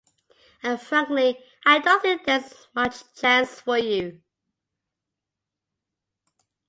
And frankly, I don't think there is much chance for you.